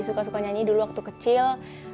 suka suka nyanyi dulu waktu kecil